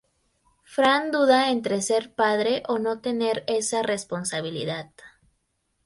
Fran duda entre ser padre o no tener esa responsabilidad.